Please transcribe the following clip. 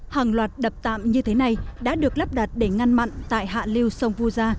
hàng loạt đập tạm như thế này đã được lắp đặt để ngăn mặn tại hạ lưu sông vu gia